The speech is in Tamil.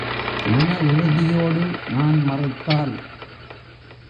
மன உறுதியோடு நான் மறுத்தால்?